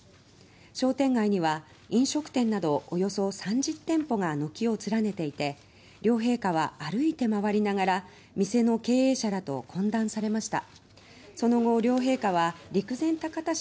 商店街には飲食店などおよそ３０店舗が軒を連ねていて両陛下は歩いて回りながら店の経営者らと懇談されました。